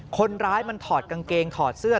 คนร้ายมันถอดกางเกงถอดเสื้อ